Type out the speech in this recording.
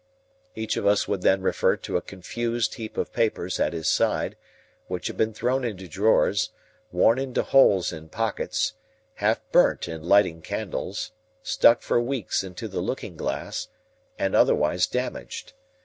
Each of us would then refer to a confused heap of papers at his side, which had been thrown into drawers, worn into holes in pockets, half burnt in lighting candles, stuck for weeks into the looking glass, and otherwise damaged.